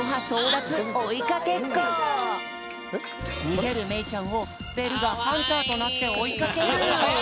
にげるめいちゃんをベルがハンターとなっておいかける。